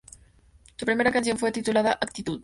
Su primera canción fue titulada ""Actitud"".